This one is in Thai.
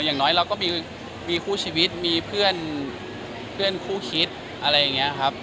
อย่างน้อยเราก็มีคู่ชีวิตมีเพื่อนคู่คิดอะไรอย่างนี้ครับ